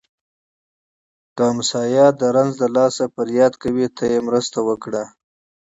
که ګاونډی د رنځ له لاسه فریاد کوي، ته یې مرسته وکړه